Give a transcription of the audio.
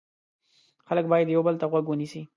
خلک باید یو بل ته غوږ ونیسي.